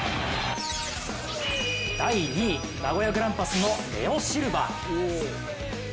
第２位、名古屋グランパスのレオ・シルバ。